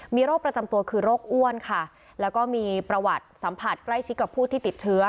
มีโรคประจำตัวคือโรคอ้วนค่ะแล้วก็มีประวัติสัมผัสใกล้ชิดกับผู้ที่ติดเชื้อ